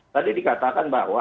tadi dikatakan bahwa